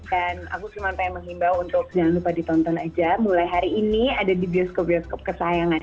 dan aku cuma pengen menghimbau untuk jangan lupa ditonton aja mulai hari ini ada di bioskop bioskop kesayangan